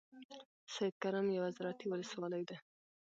سیدکرم یوه زرعتی ولسوالۍ ده.